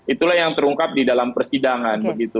itulah yang terungkap di dalam persidangan